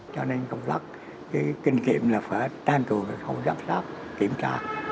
cho nên công tác cái kinh kiệm là phải tan tù không giám sát kiểm tra